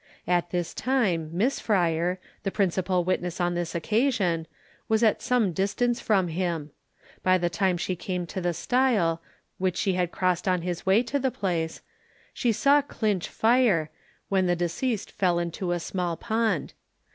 At this time, Miss Fryer, the principal witness on this occasion, was at some distance from him. By the time she came to the stile, which she had crossed in his way to the place, she saw Clinch fire, when the deceased fell into a small pond.